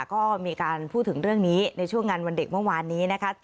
ก็มีการพูดถึงเรื่องนี้ในช่วงงานวันเด็กเมื่อวานนี้นะคะ